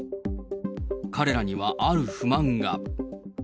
彼らにはある不満が。